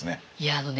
あのね